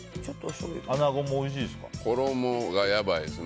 穴子もおいしいですか？